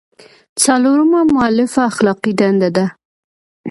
څلورمه مولفه اخلاقي دنده ده.